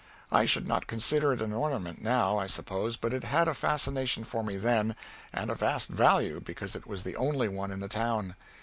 I should not consider it an ornament now, I suppose, but it had a fascination for me then, and a vast value, because it was the only one in the town.